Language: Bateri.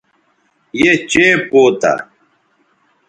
یے چئے پوتہ